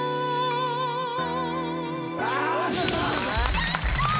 やったー！